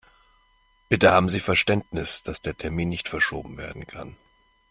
Bitte haben Sie Verständnis, dass der Termin nicht verschoben werden kann.